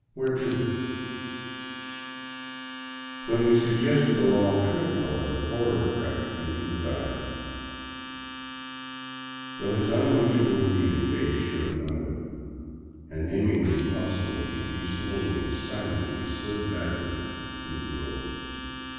Where to ?" When we suggested a long trip, however, horror crept into his eyes, though his unemotional Indian face showed none of it, and naming an impossible fee, he slowly and silently slid backward through the door.